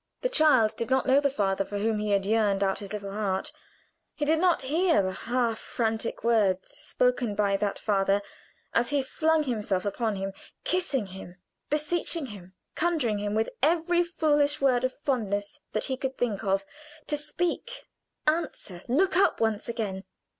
The child did not know the father for whom he had yearned out his little heart he did not hear the half frantic words spoken by that father as he flung himself upon him, kissing him, beseeching him, conjuring him with every foolish word of fondness that he could think of, to speak, answer, look up once again.